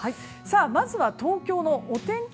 まずは東京のお天気